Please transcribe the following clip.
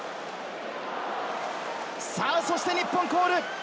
そして日本コール。